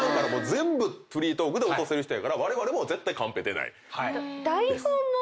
全部フリートークで落とせる人やからわれわれも絶対カンペ出ない。